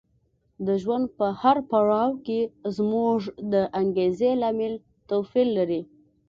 د ژوند په هر پړاو کې زموږ د انګېزې لامل توپیر لري.